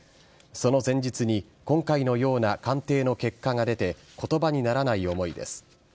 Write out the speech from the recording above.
その前日に今回のような鑑定の結果が出て言葉にならない思いです。